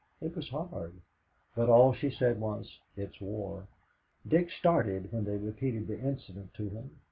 It was hard; but all she said was, "It's war." Dick started when they repeated the incident to him.